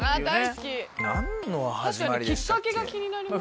きっかけが気になります。